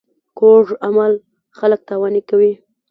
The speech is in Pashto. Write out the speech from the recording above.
کوږ عمل خلک تاواني کوي